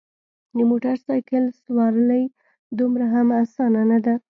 د موټرسایکل سوارلي دومره هم اسانه نده.